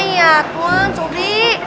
hai ya tuan sobri